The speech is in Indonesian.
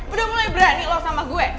udah mulai berani loh sama gue